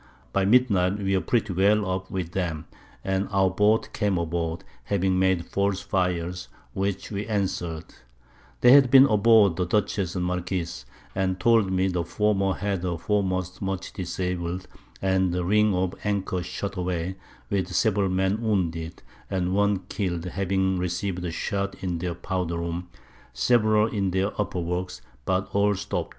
By Midnight we were pretty well up with them, and our Boat came aboard, having made false Fires, which we answer'd: They had been on board the Dutchess and Marquiss, and told me the former had her Foremast much disabled, and the Ring of an Anchor shot away, with several Men wounded, and one kill'd, having receiv'd a Shot in their Powder Room, and several in their upper Works, but all stopt.